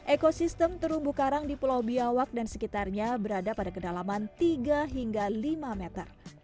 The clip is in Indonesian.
ekosistem terumbu karang di pulau biawak dan sekitarnya berada pada kedalaman tiga hingga lima meter